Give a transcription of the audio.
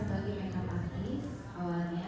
bagi makeup artist awalnya